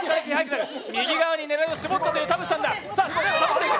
右側に狙いを絞ったという田渕さんだ。